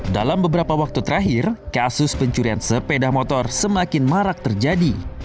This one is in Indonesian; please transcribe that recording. dalam beberapa waktu terakhir kasus pencurian sepeda motor semakin marak terjadi